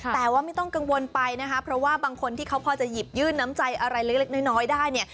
แต่ว่าไม่ต้องกังวลไปนะคะเพราะว่าบางคนที่เขาพอจะหยิบยื่นน้ำใจอะไรเล็กน้อยได้เนี่ย